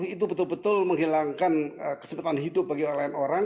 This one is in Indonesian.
tiga ratus empat puluh itu betul betul menghilangkan kesempatan hidup bagi orang lain